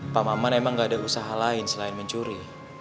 pak maman emang gak ada usaha lain selain mencuri